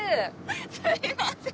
すいません。